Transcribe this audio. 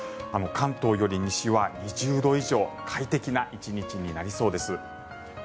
関東より西は２０度以上快適な１日になりそうです。